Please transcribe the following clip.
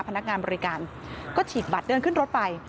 พนักงานบริการก็ฉีกบัตรเดินขึ้นรถไป